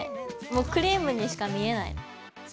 もうクリームにしか見えない。